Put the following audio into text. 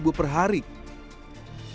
sejak maret hingga awal november